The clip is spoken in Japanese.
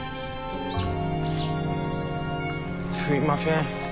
すいません